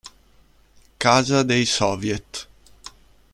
Casa dei Soviet